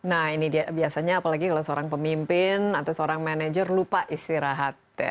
nah ini dia biasanya apalagi kalau seorang pemimpin atau seorang manajer lupa istirahat ya